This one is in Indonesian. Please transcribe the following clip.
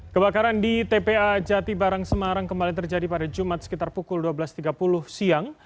kebakaran di tpa jati barang semarang kembali terjadi pada jumat sekitar pukul dua belas tiga puluh siang